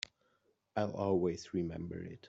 I'll always remember it.